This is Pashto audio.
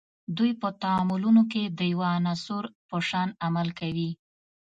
دوی په تعاملونو کې د یوه عنصر په شان عمل کوي.